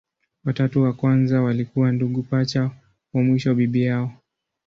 Watatu wa kwanza walikuwa ndugu pacha, wa mwisho bibi yao.